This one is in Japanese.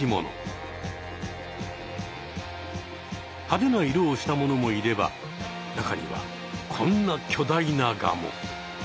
派手な色をしたものもいれば中にはこんなきょだいなガも。